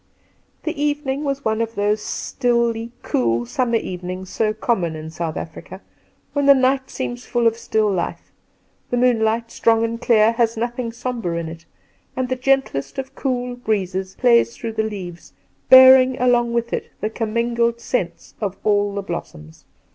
The evening was one of those stilly^ cool summer evenings so common in South Airica, when the night seems full of still life ; the moon light, strong and clear, has nothing sombre in it, and the gentlest of cool breezes plays through the leaves, bearing along with it the commingled sceiits of all the blossoms.